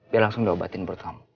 biar langsung diobatin pelut kamu